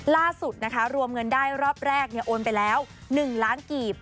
ล่าสุดนะคะรวมเงินได้รอบแรกโอนไปแล้ว๑ล้านกีบ